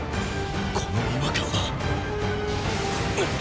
この違和感はっ⁉